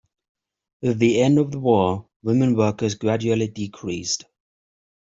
With the end of the war women workers gradually decreased.